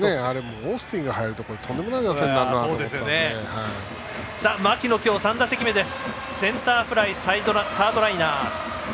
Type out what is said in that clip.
オースティンが入るととんでもない打線になるなと牧の今日３打席目です。